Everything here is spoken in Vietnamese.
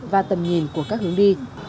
và tầm nhìn của các hướng đi